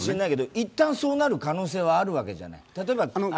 一旦そうなる可能性はあるわけじゃない。